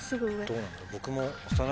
どうなんだろう？